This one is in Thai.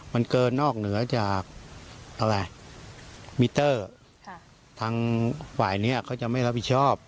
มันเกินนอกเหนือจากอะไรมิเตอร์ทางฝ่ายนี้เขาจะไม่รับผิดชอบ